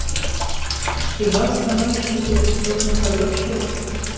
Хіба становішча тут істотна палепшала?